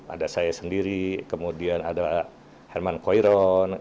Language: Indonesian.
ada saya sendiri kemudian ada herman koiron